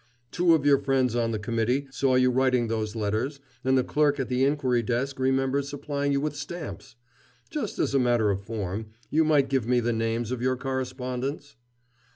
Two of your friends on the committee saw you writing those letters, and the clerk at the inquiry desk remembers supplying you with stamps. Just as a matter of form, you might give me the names of your correspondents?"